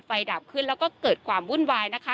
จนกระทั่งเกิดไฟดับขึ้นแล้วก็เกิดความวุ่นวายนะคะ